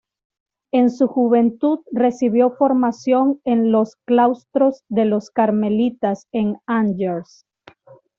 En su juventud recibió formación en los claustros de los carmelitas en Angers.